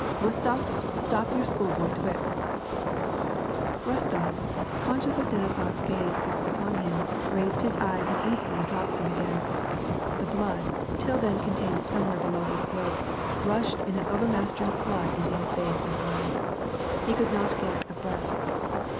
W'ostof, stop your schoolboy twicks "— Bostof, conscious of Denisofs gaze fixed upon him, raised his eyes and instantly dropped them again. The blood, till then contained somewhere below his throat, rushed in an over mastering flood into his face and eyes. He could not get a breath.